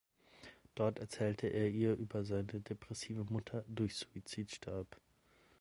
Dort erzählt er ihr über seine depressive Mutter, durch Suizid starb.